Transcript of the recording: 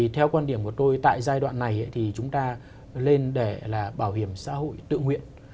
theo quan điểm của tôi tại giai đoạn này thì chúng ta lên để là bảo hiểm xã hội tự nguyện